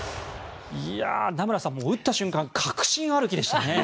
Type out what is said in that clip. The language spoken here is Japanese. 名村さん、打った瞬間確信歩きでしたね。